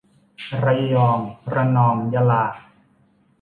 ระยอง ระนอง ยะลา